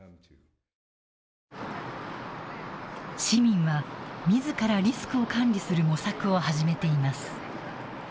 市民は、みずからリスクを管理する模索を始めています。